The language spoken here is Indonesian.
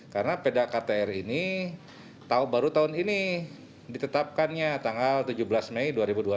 karena perda ktr ini baru tahun ini ditetapkannya tanggal tujuh belas mei dua ribu dua puluh satu